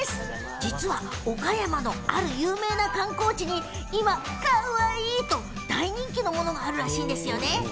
実は岡山のある有名な観光地に今かわいいと大人気のものがあるらしいんです。